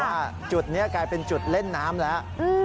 จุดนี้กลายเป็นจุดเล่นน้ำแล้ว